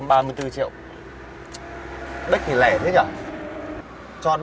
bích thì lẻ thế nhở